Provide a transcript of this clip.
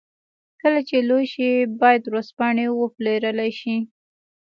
کله چې لوی شي بايد ورځپاڼې وپلورلای شي.